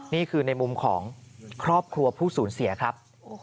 นี่คือในมุมของครอบครัวผู้สูญเสียครับ